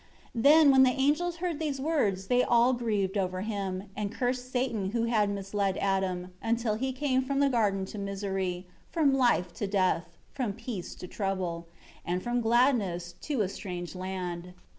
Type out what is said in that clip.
6 Then, when the angels heard these words, they all grieved over him; and cursed Satan who had misled Adam, until he came from the garden to misery; from life to death; from peace to trouble; and from gladness to a strange land.